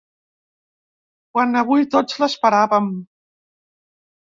Quan avui tots l’esperàvem.